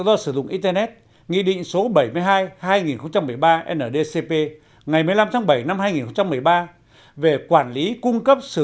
do sử dụng internet nghị định số bảy mươi hai hai nghìn một mươi ba ndcp ngày một mươi năm tháng bảy năm hai nghìn một mươi ba về quản lý cung cấp sử